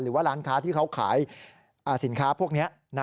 หรือว่าร้านค้าที่เขาขายสินค้าพวกนี้